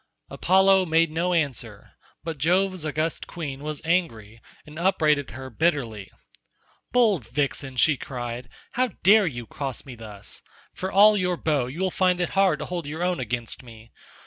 Apollo made her no answer, but Jove's august queen was angry and upbraided her bitterly. "Bold vixen," she cried, "how dare you cross me thus? For all your bow you will find it hard to hold your own against me.